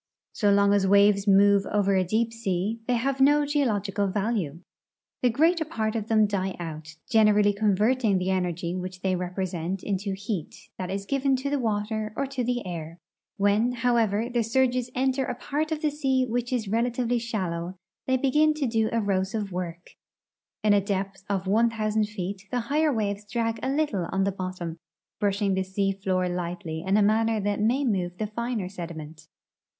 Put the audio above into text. So long as Avaves move over a deep sea they have no geological value. The greater part of them die out, generally converting the energy Avhich they represent into heat, that is given to the Avater or to the air. AMien, hoAvever, the surges enter a part of the sea Avhich is relatively shallow, they begin to do erosive AVork. In a depth of one thousand feet the higher Avaves drag a little on the bottom, brushing the sea floor lightly in a manner that may move the finer sediment.